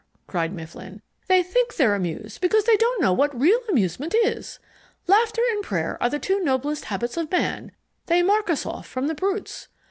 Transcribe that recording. cried Mifflin. "They think they're amused because they don't know what real amusement is! Laughter and prayer are the two noblest habits of man; they mark us off from the brutes.